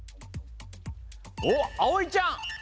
おっあおいちゃん！